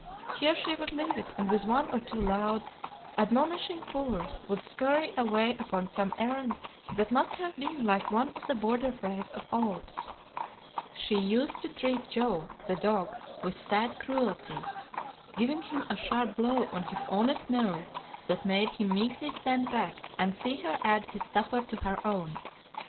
Here she would leave it and with one or two loud, admonishing purrs would scurry away upon some errand that must have been like one of the border frays of old. "She used to treat Joe, the dog, with sad cruelty, giving him a sharp blow on his honest nose that made him meekly stand back and see her add his supper to her own.